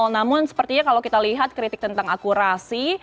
namun sepertinya kalau kita lihat kritik tentang akurasi